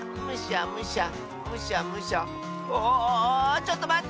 ちょっとまって！